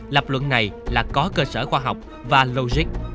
lập luận này là có cơ sở khoa học và logic